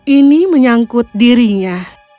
ini menyangkut dirinya